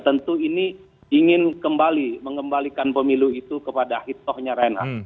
tentu ini ingin kembali mengembalikan pemilu itu kepada hitohnya renat